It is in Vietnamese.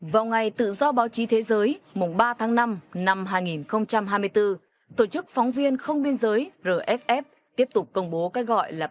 vào ngày tự do báo chí thế giới mùng ba tháng năm năm hai nghìn hai mươi bốn tổ chức phóng viên không biên giới rsf tiếp tục công bố cái gọi là